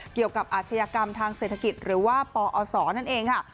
อาชญากรรมทางเศรษฐกิจหรือว่าปอศนั่นเองค่ะ